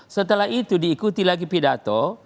setelah itu diikuti lagi pidato